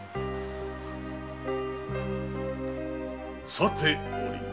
さておりん。